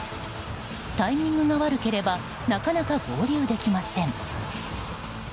タイミングが悪ければなかなか合流できません。